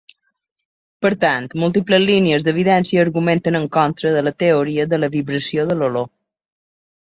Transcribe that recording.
Per tant, múltiples línies d'evidència argumenten en contra de la teoria de la vibració de l'olor.